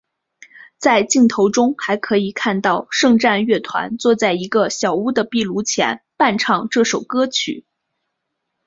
在镜头中还可以看到圣战乐团坐在一个小屋的壁炉前伴唱这首歌曲。